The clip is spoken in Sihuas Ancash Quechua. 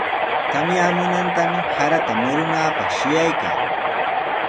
Tamyamunantami sarata murunaapaq shuyaykaa.